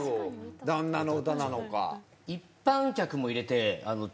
旦那の歌なのか。